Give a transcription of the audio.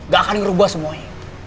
gak akan ngerubah semuanya